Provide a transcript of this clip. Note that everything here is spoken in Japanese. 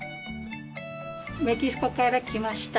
メキシコから来ました。